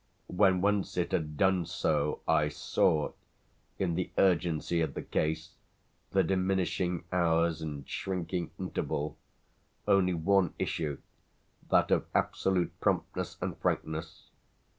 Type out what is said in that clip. When once it had done so I saw in the urgency of the case, the diminishing hours and shrinking interval only one issue, that of absolute promptness and frankness.